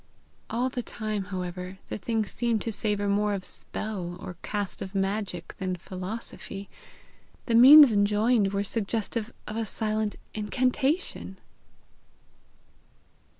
All the time, however, the thing seemed to savour more of spell or cast of magic than philosophy: the means enjoined were suggestive of a silent incantation!